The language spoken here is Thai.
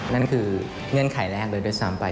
นั่นคือเงื่อนไขแรกเลยด้วยซ้ำไป